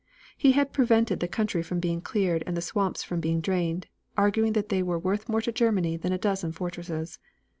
He had prevented the country from being cleared and the swamps from being drained, arguing that they were worth more to Germany than a dozen fortresses.